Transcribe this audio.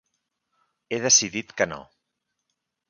He decidit que no.